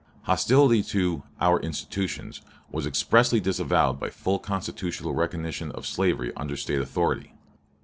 Hostility to "our institutions" was expressly disavowed by full constitutional recognition of slavery under State authority.